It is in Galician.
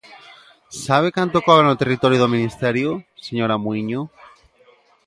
¿Sabe canto cobran no territorio do Ministerio, señora Muíño?